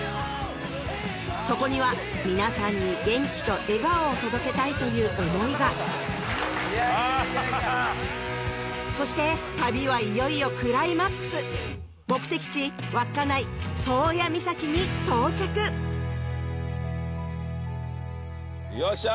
そこには「皆さんに元気と笑顔を届けたい」という思いがそして旅はいよいよクライマックス目的地稚内「宗谷岬」に到着よっしゃ！